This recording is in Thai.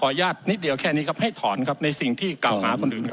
อนุญาตนิดเดียวแค่นี้ครับให้ถอนครับในสิ่งที่กล่าวหาคนอื่นครับ